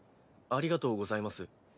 ありがとうございます。